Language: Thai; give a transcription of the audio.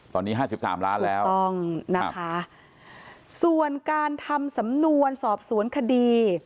ตอนนี้๕๓ล้านแล้วนะคะถูกต้องส่วนการทำสำนวนสอบสวนคดี